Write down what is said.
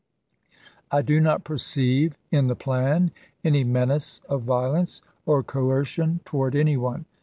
I do not perceive in the plan any menace of violence or coercion toward any one.